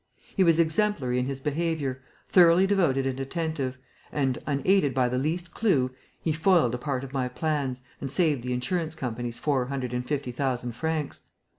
He was exemplary in his behaviour, thoroughly devoted and attentive; and, unaided by the least clue, he foiled a part of my plans and saved the insurance companies four hundred and fifty thousand francs.